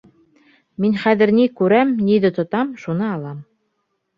Мин хәҙер ни күрәм, ниҙе тотам — шуны алам.